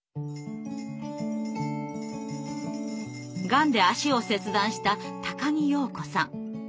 がんで足を切断した木庸子さん。